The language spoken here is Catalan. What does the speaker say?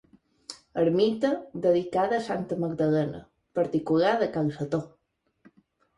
Ermita, dedicada a Santa Magdalena, particular de cal Setó.